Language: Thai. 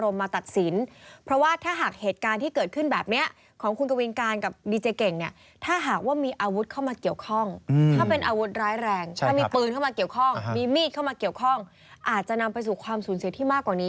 มีมีดเข้ามาเกี่ยวข้องอาจจะนำไปสู่ความสูญเสียที่มากกว่านี้